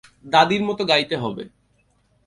দাদির মতো গাইতে হবে।